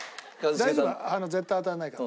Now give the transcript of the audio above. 大丈夫絶対当たらないから。